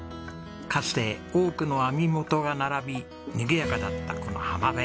かつて多くの網元が並びにぎやかだったこの浜辺。